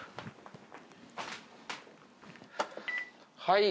はい。